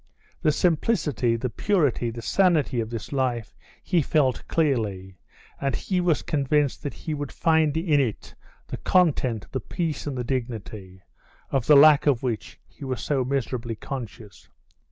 The simplicity, the purity, the sanity of this life he felt clearly, and he was convinced he would find in it the content, the peace, and the dignity, of the lack of which he was so miserably conscious.